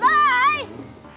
gemus pisan hati hati